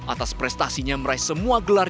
atas prestasinya meraih semua gelar